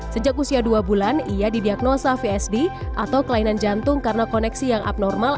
sejak usia dua bulan ia didiagnosa vsd atau kelainan jantung karena koneksi yang abnormal